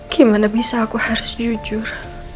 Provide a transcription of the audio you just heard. gimana bisa aku harus jujur